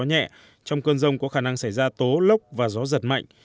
nhẹ trong cơn rông có khả năng xảy ra tố lốc và gió giật mạnh